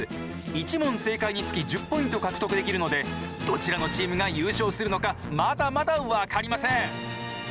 １問正解につき１０ポイント獲得できるのでどちらのチームが優勝するのかまだまだ分かりません。